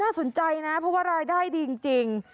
สนใจนะเพราะว่ารายได้ดีจริง